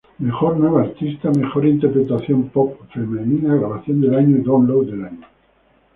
Mejor nueva artista, Mejor interpretación pop femenina, Grabación del año y Download del año.